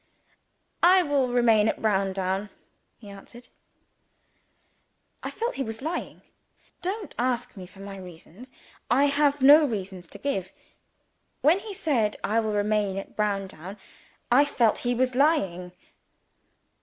"I will remain at Browndown," he answered. I felt he was lying. Don't ask for my reasons: I have no reasons to give. When he said "I will remain at Browndown," I felt he was lying.